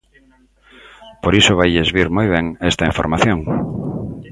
Por iso vailles vir moi ben esta información.